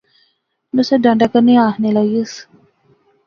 نصرت ڈانڈا کنے آخنے لاغیوس